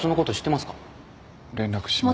連絡しまし。